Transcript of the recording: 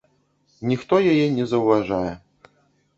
Ніхто яе не заўважае.